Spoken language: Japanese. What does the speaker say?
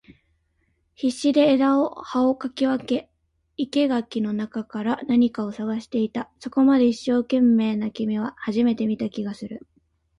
必死で枝を葉を掻き分け、生垣の中から何かを探していた。そこまで一生懸命な君は初めて見た気がする。